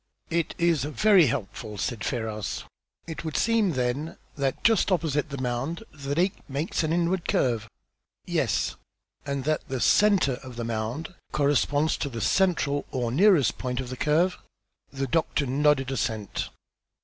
"It is very helpful," said Ferrars. "It would seem, then, that just opposite the mound the lake makes an inward curve?" "Yes." "And that the centre of the mound corresponds to the central or nearest point of the curve?" The doctor nodded assent.